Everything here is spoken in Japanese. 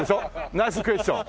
ナイスクエスチョン。